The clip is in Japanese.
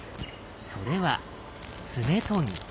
それは「爪とぎ」。